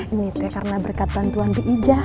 ini teh karena berkat bantuan bu ija